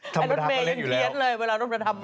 ทำประดาษยังเละอยู่แล้วท่านรดเมย์ยังเทียดเลยเวลาลองมาทำมา